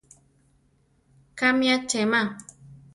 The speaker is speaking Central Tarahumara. Kámi achema.